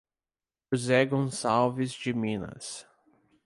José Gonçalves de Minas